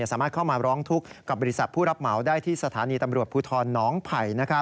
สามารถเข้ามาร้องทุกข์กับบริษัทผู้รับเหมาได้ที่สถานีตำรวจภูทรน้องไผ่